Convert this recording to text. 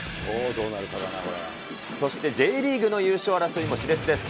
そしてＪリーグの優勝争いもしれつです。